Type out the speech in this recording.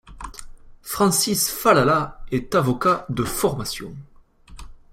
Francis Falala est avocat de formation.